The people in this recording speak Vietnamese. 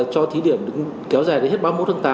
cho thí điểm kéo dài đến hết ba mươi một tháng tám